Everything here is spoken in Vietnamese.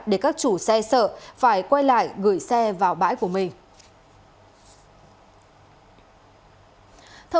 để các chủ xe sợ phải quay lại gửi xe vào bãi của mình